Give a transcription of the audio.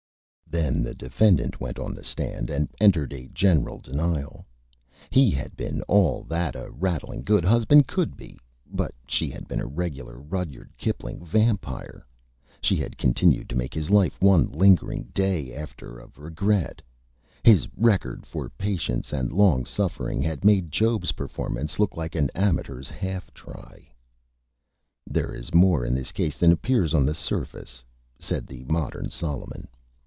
Then the Defendant went on the Stand and entered a General Denial. He had been all that a Rattling Good Husband could be, but she had been a regular Rudyard Kipling Vampire. She had continued to make his Life one lingering Day After of Regret. His Record for Patience and Long Suffering had made Job's Performance look like an Amateur's Half Try. [Illustration: THE VIPER] "There is more in this Case than appears on the Surface," said the Modern Solomon.